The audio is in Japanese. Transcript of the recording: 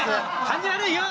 感じ悪いよ。